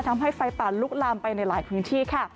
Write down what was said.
ทำให้ไฟป่าลุกลามไปในหลายพื้นที่ค่ะ